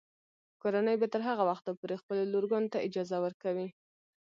کورنۍ به تر هغه وخته پورې خپلو لورګانو ته اجازه ورکوي.